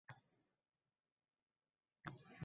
Bir ayol bo‘lsa shunchalik bo‘ladi-da